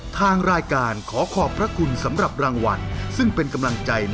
ทางรายการขอขอบพระคุณสำหรับรางวัลซึ่งเป็นกำลังใจ